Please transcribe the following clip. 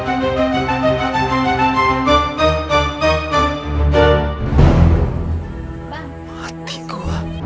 kelewatan semua gitu